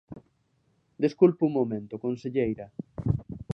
Desculpe un momento, conselleira.